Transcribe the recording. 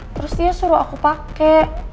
terus dia suruh aku pakai